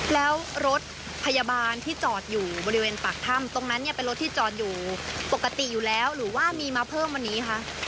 แล้วรถพยาบาลที่จอดอยู่บริเวณปากถ้ำตรงนั้นเนี่ยเป็นรถที่จอดอยู่ปกติอยู่แล้วหรือว่ามีมาเพิ่มวันนี้คะ